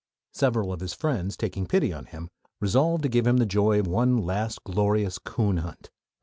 Several of his friends, taking pity on him, resolved to give him the joy of one last glorious coon hunt.